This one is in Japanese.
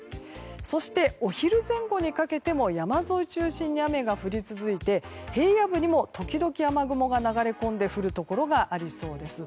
そして、お昼前後にかけても山沿いを中心に雨が降り続いて平野部にも時々、雨雲が流れ込んで降るところがありそうです。